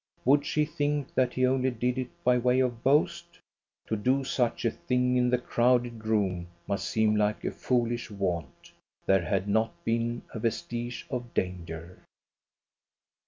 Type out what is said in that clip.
Would she think that he only did it by way of boast? To do such a thing in the crowded room must seem like a foolish vaunt. There had not been a vestige of danger.